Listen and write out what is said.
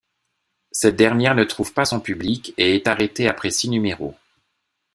Cette dernière ne trouve pas son public et est arrêtée après six numéros.